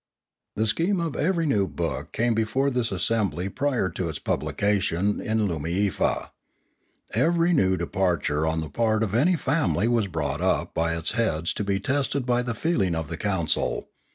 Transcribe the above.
The scheme of every new book came before this assembly prior to its publication in Loomiefa. Every new departure on the part of any family was brought up by its heads to be tested by the feeling of the council.